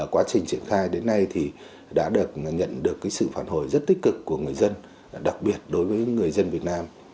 quá trình triển khai đến nay thì đã nhận được sự phản hồi rất tích cực của người dân đặc biệt đối với người dân việt nam